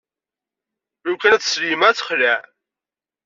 Lukan ad tsel yemma ad texleɛ.